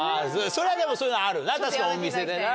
それはでもそういうのあるな確かにお店でな。